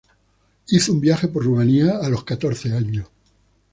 Hizo un viaje por Rumania a los catorce años.